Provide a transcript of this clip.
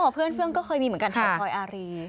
เพื่อนก็เคยมีเหมือนกันไทยคอยอารี